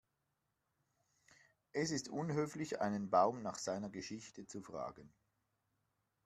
Es ist unhöflich, einen Baum nach seiner Geschichte zu fragen.